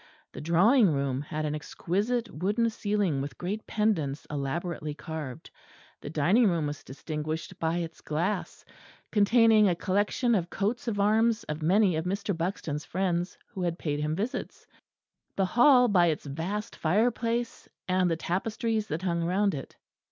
The drawing room had an exquisite wooden ceiling with great pendants elaborately carved; the dining room was distinguished by its glass, containing a collection of coats of arms of many of Mr. Buxton's friends who had paid him visits; the hall by its vast fire place and the tapestries that hung round it.